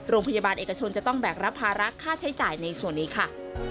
โรงพยาบาลเอกชนจะต้องแบกรับภาระค่าใช้จ่ายในส่วนนี้ค่ะ